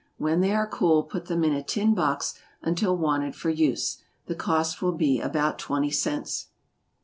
When they are cool put them in a tin box until wanted for use. The cost will be about twenty cents.